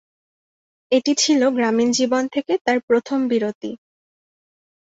এটি ছিল গ্রামীণ জীবন থেকে তার প্রথম বিরতি।